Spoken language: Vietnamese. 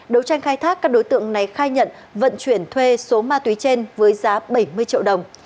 đấu tranh khai thác các đối tượng này khai nhận vận chuyển thuê số ma túy trên với giá bảy mươi triệu đồng